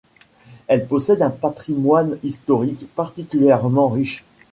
Elle possède un patrimoine historique particulièrement riche.